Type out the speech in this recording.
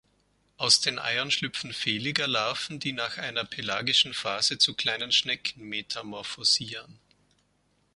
Aus den Eiern schlüpfen Veliger-Larven, die nach einer pelagischen Phase zu kleinen Schnecken metamorphosieren.